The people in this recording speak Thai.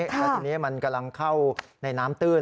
แล้วทีนี้มันกำลังเข้าในน้ำตื้น